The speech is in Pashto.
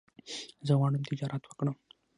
زه غواړم تجارت وکړم